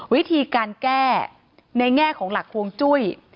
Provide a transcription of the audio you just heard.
วิธีการแก้ในแง่ของหลักฮวงจุ้ย